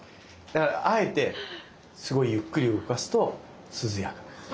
だからあえてすごいゆっくり動かすと涼やか。